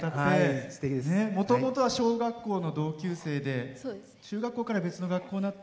もともとは小学校の同級生で中学校から別の学校になった。